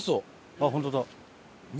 あっホントだ。